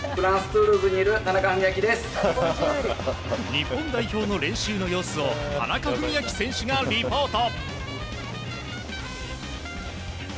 日本代表の練習の様子を田中史朗選手がリポート。